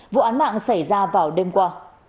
vụ án mạng xảy ra vào đêm qua